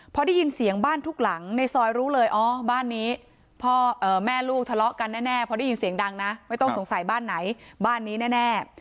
พอได้ยินเสียงบ้านทุกหลังในซอยรู้เลยอ๋อบ้านนี้พ่อแม่ลูกทะเลาะกันแน่พอได้ยินเสียงดังนะไม่ต้องสงสัยบ้านไหนบ้านนี้แน่